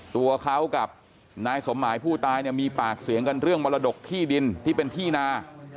ตัวเขากับนายสมหมายผู้ตายเนี่ยมีปากเสียงกันเรื่องมรดกที่ดินที่เป็นที่นา